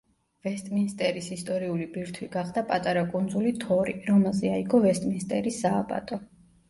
ვესტმინსტერის ისტორიული ბირთვი გახდა პატარა კუნძული თორი, რომელზე აიგო ვესტმინსტერის სააბატო.